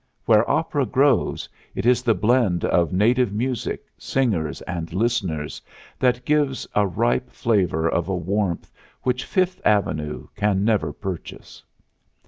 Where opera grows, it is the blend of native music, singers and listeners that gives a ripe flavor of a warmth which Fifth Avenue can never purchase.